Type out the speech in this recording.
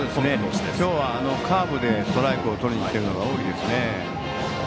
今日はカーブでストライクをとりにくる場面が多いですね。